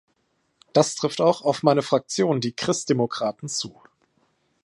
Das trifft auch auf meine Fraktion, die Christdemokraten, zu.